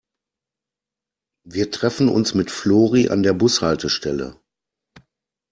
Wir treffen uns mit Flori an der Bushaltestelle.